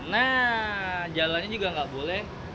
nah jalannya juga nggak boleh